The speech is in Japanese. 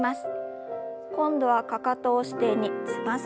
今度はかかとを支点につま先を上げて。